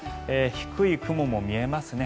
低い雲も見えますね。